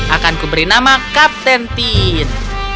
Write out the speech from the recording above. akanku beri nama kapten tin